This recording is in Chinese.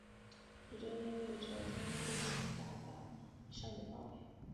这就意味着推力应达到以上的范围。